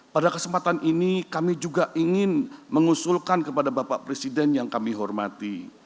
pada kesempatan ini kami juga ingin mengusulkan kepada bapak presiden yang kami hormati